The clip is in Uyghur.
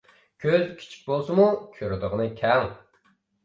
كۆز كىچىك بولسىمۇ، كۆرىدىغىنى كەڭ.